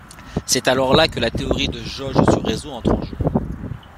C'est alors là que la théorie de jauge sur réseau entre en jeu.